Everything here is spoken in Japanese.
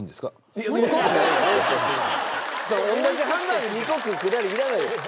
同じハンバーグ２個食うくだりいらないでしょ。